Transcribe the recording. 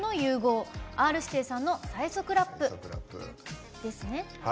Ｒー指定さんの最速ラップですね。